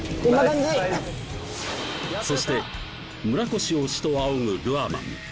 そして村越を師と仰ぐルアーマン